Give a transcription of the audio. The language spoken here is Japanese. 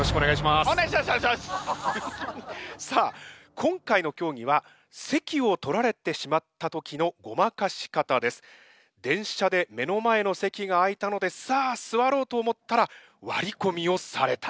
今回の競技は電車で目の前の席が空いたのでさあ座ろうと思ったら割り込みをされた。